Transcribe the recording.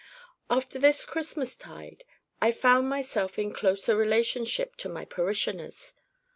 After this Christmas tide, I found myself in closer relationship to my parishioners.